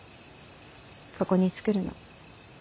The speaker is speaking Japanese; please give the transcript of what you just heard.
ここに作るの。